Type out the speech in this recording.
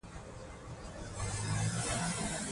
مرسته د کمزورۍ نه، بلکې د ځواک نښه ده.